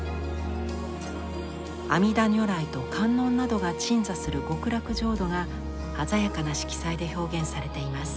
阿弥陀如来と観音などが鎮座する極楽浄土が鮮やかな色彩で表現されています。